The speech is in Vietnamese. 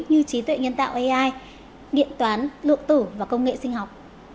như trí tuệ nhân tạo ai điện toán lượng tử và công nghệ sinh học